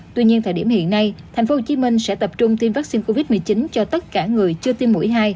tuy nhiên thời điểm hiện nay tp hcm sẽ tập trung tiêm vaccine covid một mươi chín cho tất cả người chưa tiêm mũi hai